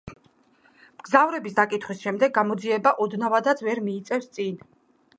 მგზავრების დაკითხვის შემდეგ გამოძიება ოდნავადაც ვერ მიიწევს წინ.